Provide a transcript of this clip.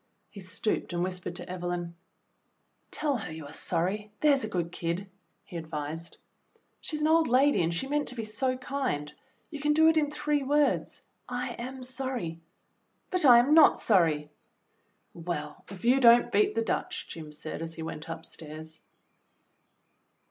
He stooped and whispered to Evelyn, " Tell her you are sorry, there 's a good kid," he advised. "She's an old lady and she meant to be so kind. You can do it in three words, 'I am sorry.'" "But I am not sorry." "Well, if you don't beat the Dutch," Jim said, as he went upstairs.